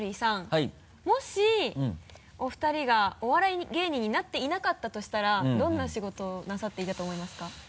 もしお二人がお笑い芸人になっていなかったとしたらどんな仕事をなさっていたと思いますか？